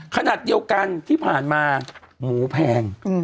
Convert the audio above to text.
ขนาดเดียวกันที่ผ่านมาหมูแพง